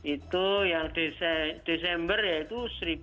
itu yang desember ya itu